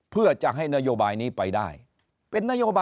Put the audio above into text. เพื่อจะให้นโยบายนี้ไปได้เป็นนโยบาย